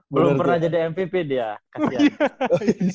belum pernah jadi mpp dia kasihan